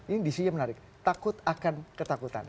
ini disinya menarik takut akan ketakutan